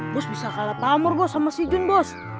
bos bisa kalah pamur sama si jun bos